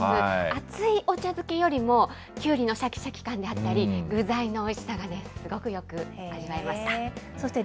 熱いお茶漬けよりもきゅうりのしゃきしゃき感であったり、具材のおいしさがね、すごくよく味わえました。